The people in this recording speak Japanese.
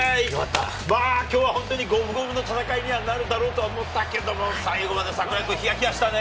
きょうは本当に五分五分の戦いにはなるだろうと思ったけれども、最後までヒヤヒヤしたね。